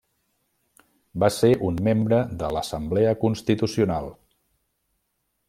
Va ser un membre de l'Assemblea Constitucional.